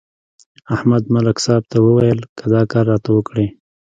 احمد ملک صاحب ته ویل: که دا کار راته وکړې.